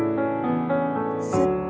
吸って。